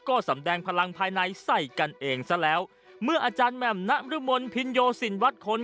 ก็สำแดงพลังภายในใส่กันเองซะแล้วเมื่ออาจารย์แหม่มนรมนภินโยสินวัดคน